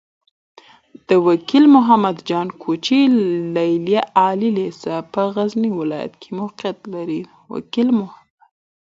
د وکيل محمد جان کوچي ليليه عالي لېسه په غزني ولايت کې موقعيت لري.